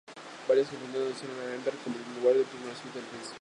Varias fuentes mencionan Amberg como el lugar de nacimiento del príncipe.